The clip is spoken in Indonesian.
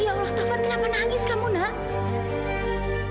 ya allah taufan kenapa nangis kamu nak